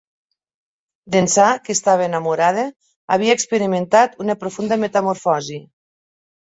D'ençà que estava enamorada, havia experimentat una profunda metamorfosi.